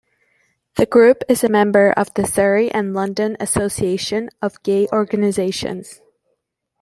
The group is a member of The Surrey and London Association of Gay Organisations.